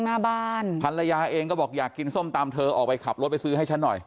หน้าบ้านภรรยาเองก็บอกอยากกินส้มตำเธอออกไปขับรถไปซื้อให้ฉันหน่อย